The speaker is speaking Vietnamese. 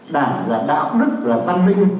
đảng là đạo đức là văn minh